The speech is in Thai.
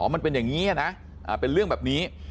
มันเป็นอย่างนี้นะเป็นเรื่องแบบนี้